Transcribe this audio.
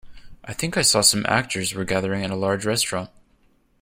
I think I saw some actors were gathering at a large restaurant.